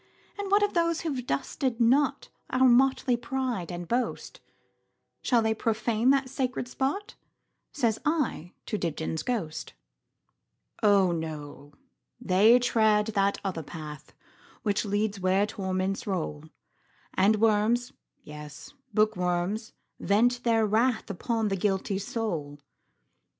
And what of those who 've dusted notOur motley pride and boast,—Shall they profane that sacred spot?"Says I to Dibdin's ghost."Oh, no! they tread that other path, Which leads where torments roll, And worms, yes, bookworms, vent their wrathUpon the guilty soul.